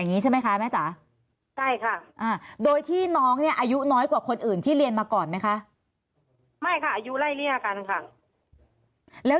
อันนี้แม่ไม่ทราบอะค่ะเพราะว่ารู้แค่ว่าเขาเรียนมาก่อนแล้ว